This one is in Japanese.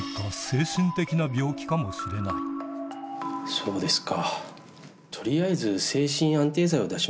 そうですか。